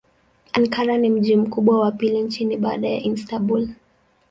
Ankara ni mji mkubwa wa pili nchini baada ya Istanbul.